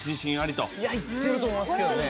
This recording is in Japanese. いってると思いますけどね。